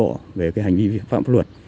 cường độ về cái hành vi viện phạm pháp luật